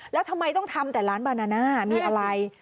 แล้วทำไมต้องทำแต่ร้านบานาน่ามีอะไร